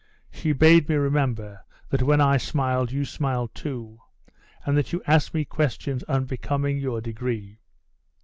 She bade me remember, that when I smiled, you smiled too; and that you asked me questions unbecoming your degree.